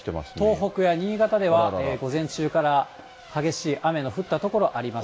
東北や新潟では午前中から激しい雨の降った所ありました。